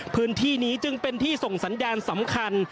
พื้นที่นี้จึงเป็นที่ส่งสัญญาณสำคัญ